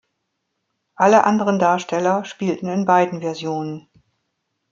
Alle anderen Darsteller spielten in beiden Versionen.